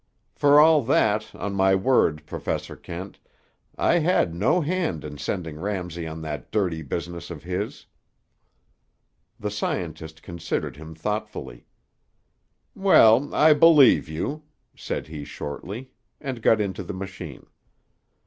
For all that, on my word, Professor Kent, I had no hand in sending Ramsay on that dirty business of his." The scientist considered him thoughtfully. "Well, I believe you," said he shortly, and got into the machine.